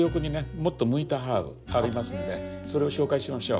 もっと向いたハーブありますんでそれを紹介しましょう。